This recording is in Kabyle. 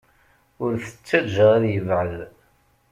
Ur t-ttajja ad yebɛed.